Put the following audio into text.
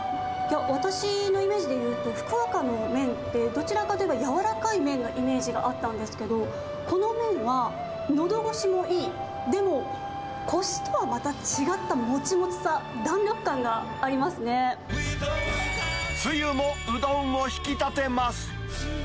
私のイメージいうと、福岡の麺ってどちらかといえば柔らかい麺のイメージがあったんですけど、この麺はのど越しもいい、でも、こしとはまた違ったもちもつゆもうどんも引き立てます。